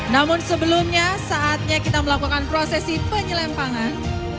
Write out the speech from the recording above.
namun sebelumnya saatnya kita melakukan prosesi penyelempangan